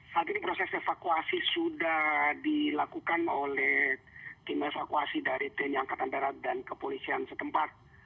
saat ini proses evakuasi sudah dilakukan oleh tim evakuasi dari tni angkatan darat dan kepolisian setempat